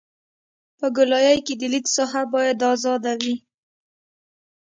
په ګولایي کې د لید ساحه باید ازاده وي